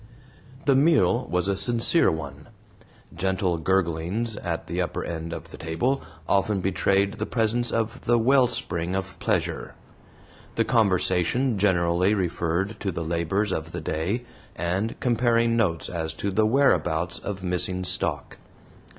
The meal was a sincere one. Gentle gurglings at the upper end of the table often betrayed the presence of the "wellspring of pleasure." The conversation generally referred to the labors of the day, and comparing notes as to the whereabouts of missing stock.